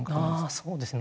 ああそうですね